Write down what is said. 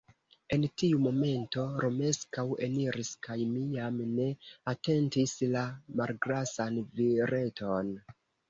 En tiu momento Romeskaŭ eniris kaj mi jam ne atentis la malgrasan vireton.